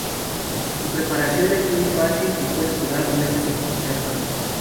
Su preparación es muy fácil y puede durar meses en conserva.